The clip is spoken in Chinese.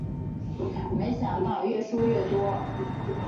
没想到越输越多